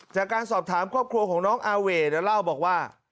จากการสอบถามครอบครัวของน้องอาเว่เล่าบอกว่า